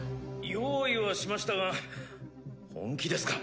用意はしましたが本気ですか？